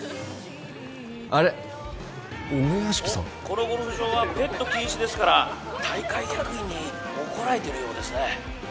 このゴルフ場はペット禁止ですから大会役員に怒られてるようですね